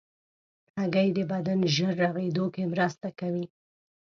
هګۍ د بدن ژر رغېدو کې مرسته کوي.